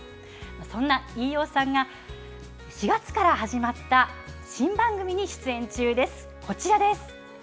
そんな飯尾さんが４月から始まった新番組に出演中です。